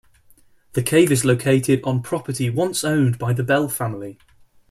The cave is located on property once owned by the Bell family.